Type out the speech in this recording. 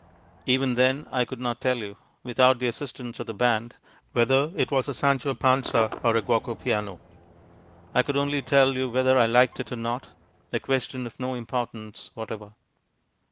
Even then I could not tell you (without the assistance of the band) whether it was a Sancho Panza or a Guoco Piano. I could only tell you whether I liked it or not, a question of no importance whatever.